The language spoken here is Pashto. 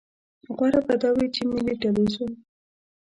غوره به دا وي چې ملي ټلویزیون.